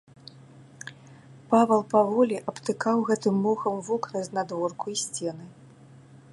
Павал паволі абтыкаў гэтым мохам вокны знадворку і сцены.